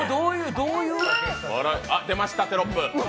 あ、出ましたテロップ。